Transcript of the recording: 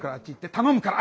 頼むから！